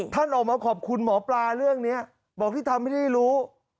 ท่านออกมาขอบคุณหมอปลาเรื่องนี้บอกที่ทำให้ได้รู้